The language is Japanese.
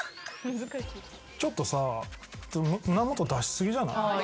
ちょっとさ胸元出し過ぎじゃない？